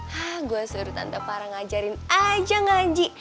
hah gua suruh tante farah ngajarin aja ngaji